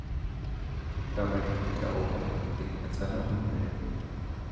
Dabei geriet er auch in Konflikt mit seiner Umwelt.